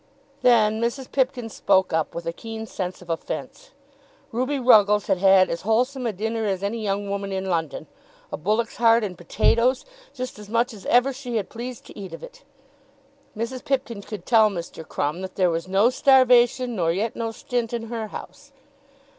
Then Mrs. Pipkin spoke up with a keen sense of offence. Ruby Ruggles had had as wholesome a dinner as any young woman in London, a bullock's heart and potatoes, just as much as ever she had pleased to eat of it. Mrs. Pipkin could tell Mr. Crumb that there was "no starvation nor yet no stint in her house."